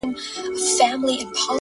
• چي را ویښ نه سی وطندارانو ,